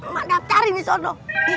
maka mendaftarin nih soal lu